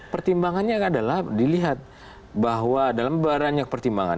pertimbangannya adalah dilihat bahwa dalam banyak pertimbangan